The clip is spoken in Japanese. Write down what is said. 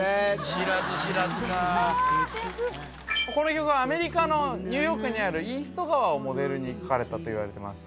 「知らず知らず」かあ悔しいこの曲はアメリカのニューヨークにあるイースト川をモデルに書かれたといわれてます